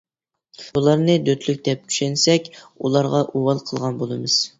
بۇلارنى دۆتلۈك دەپ چۈشەنسەك ئۇلارغا ئۇۋال قىلغان بولىمىز.